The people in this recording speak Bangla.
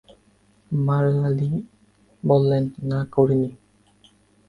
মারলা লি বললেন, না করিনি।